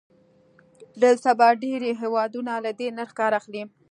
نن سبا ډېری هېوادونه له دې نرخ کار اخلي.